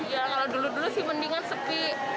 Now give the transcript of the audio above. ya kalau dulu dulu sih mendingan sepi